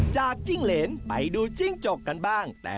จิ้งเหรนไปดูจิ้งจกกันบ้าง